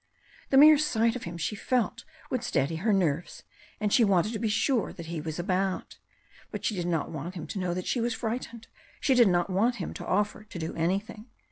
The mere sight of him, she felt, would steady her nerves, and she wanted to be sure that he was about. But she did not want him to know that she was frightened, she did not want him to offer to do anything.